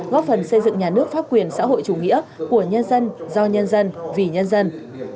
góp phần xây dựng nhà nước pháp quyền xã hội chủ nghĩa của nhân dân do nhân dân vì nhân dân